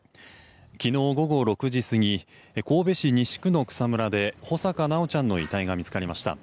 昨日午後６時過ぎ神戸市西区の草むらで穂坂修ちゃんの遺体が見つかりました。